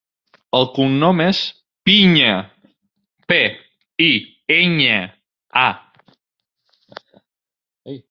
El cognom és Piña: pe, i, enya, a.